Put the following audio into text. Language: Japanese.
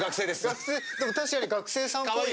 学生？でも確かに学生さんっぽい。